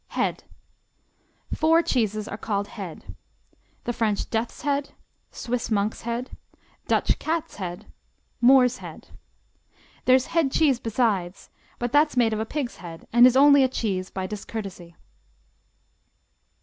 Head Four cheeses are called Head: The French Death's Head. Swiss Monk's Head. Dutch Cat's Head. Moor's Head. There's headcheese besides but that's made of a pig's head and is only a cheese by discourtesy.